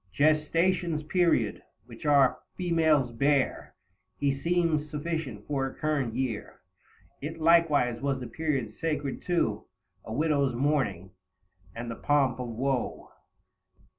Gestation's period, which our females bear, 35 He deemed sufficient for a current year. It likewise was the period sacred to A widow's mourning, and the pomp of woe.